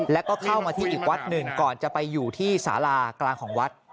แล้วก็เข้ามาที่อีกวัดหนึ่งก่อนจะไปอยู่ที่สารากลางของวัด